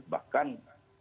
bahkan untuk fitur politik